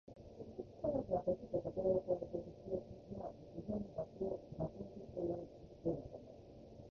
科学は時と処を超えて通用する即ち普遍妥当的といわれる知識を求める。